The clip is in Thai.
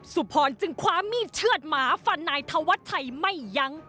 สุพรจึงคว้ามีดเชื่อดหมาฟันนายธวัชชัยไม่ยั้ง